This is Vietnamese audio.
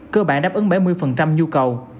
cơ bản đáp ứng bảy mươi nhu cầu